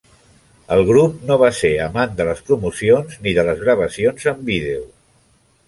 El grup no va ser amant de les promocions ni de les gravacions en vídeo.